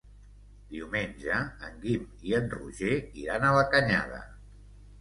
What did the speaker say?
Diumenge en Guim i en Roger iran a la Canyada.